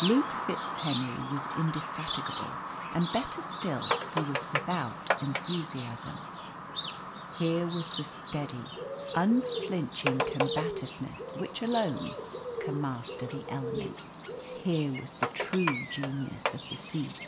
Luke FitzHenry was indefatigable, and, better still, he was without enthusiasm. Here was the steady, unflinching combativeness which alone can master the elements. Here was the true genius of the sea.